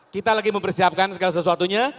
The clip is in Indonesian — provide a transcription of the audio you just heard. kita lagi mempersiapkan segala sesuatunya